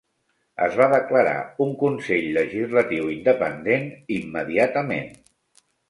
Es va declarar un consell legislatiu independent immediatament.